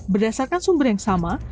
berdasarkan sumber yang sama